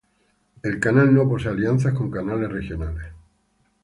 El canal no posee alianzas con canales regionales.